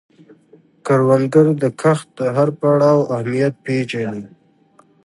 کروندګر د کښت د هر پړاو اهمیت پېژني